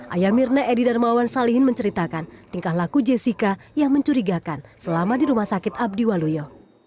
ayah mirna edi darmawan salihin menceritakan tingkah laku jessica yang mencurigakan selama di rumah sakit abdi waluyo